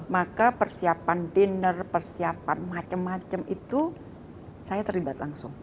maka persiapan dinner persiapan macam macam itu saya terlibat langsung